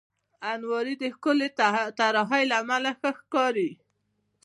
الماري د ښکلې طراحۍ له امله ښه ښکاري